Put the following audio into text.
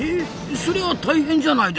そりゃ大変じゃないですか！